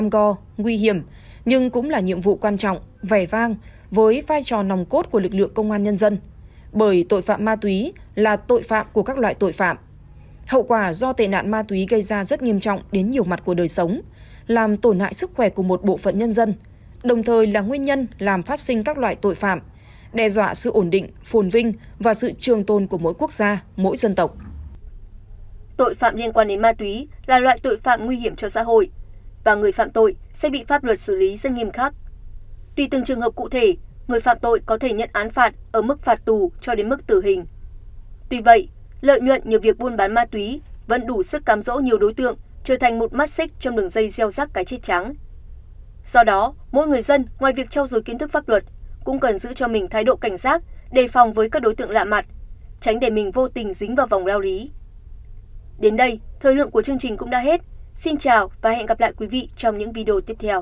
đến đây thời lượng của chương trình cũng đã hết xin chào và hẹn gặp lại quý vị trong những video tiếp theo